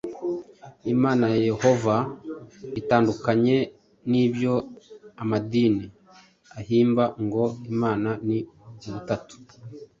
Imana Yehova itandukanye n’ibyo amadini ahimba ngo Imana ni Ubutatu.